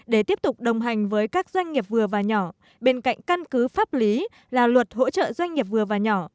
để tiếp tục đồng hành với các doanh nghiệp vừa và nhỏ bên cạnh căn cứ pháp lý là luật hỗ trợ doanh nghiệp vừa và nhỏ